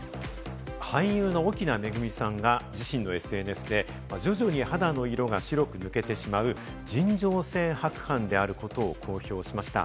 俳優の奥菜恵さんが自身のＳＮＳで、徐々に肌の色が白く抜けてしまう尋常性白斑であることを公表しました。